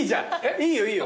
いいよいいよ。